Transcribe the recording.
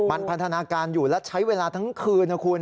มันพันธนาการอยู่และใช้เวลาทั้งคืนนะคุณ